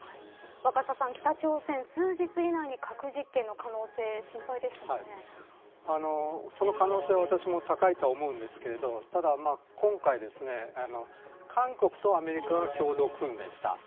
若狭さん、北朝鮮数日以内に核実験の可能性その可能性は私も高いとは思うんですがただ、今回韓国とアメリカが共同訓練した。